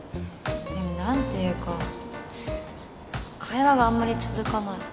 でも何ていうか会話があんまり続かない。